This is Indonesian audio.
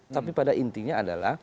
tapi pada intinya adalah